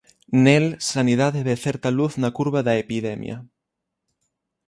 Nel Sanidade ve certa luz na curva da epidemia.